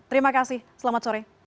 terima kasih selamat sore